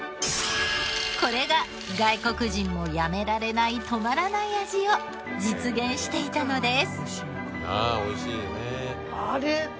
これが外国人もやめられない止まらない味を実現していたのです。